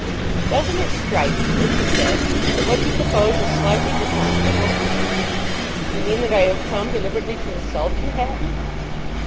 "Doesn't it strike you," he said, "that what you propose is slightly dishonourable?" "You mean that I have come deliberately to insult you, Hatton?"